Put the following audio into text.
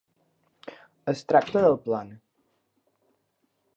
Es tracta del plan.